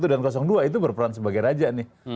satu dan dua itu berperan sebagai raja nih